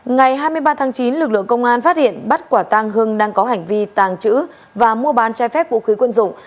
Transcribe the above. ngày hai mươi ba tháng chín lực lượng công an phát hiện bắt quả tăng hưng đang có hành vi tàng trữ và mua bán trái phép vũ khí quân dụng